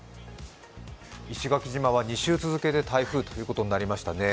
石垣島は２週続けて台風ということになりましたね。